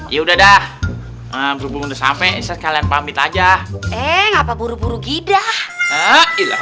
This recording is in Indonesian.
ya udah dah sampai kalian pamit aja eh ngapa buru buru gidah assalamualaikum